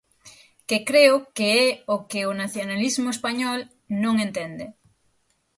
Que creo que é o que nacionalismo español non entende.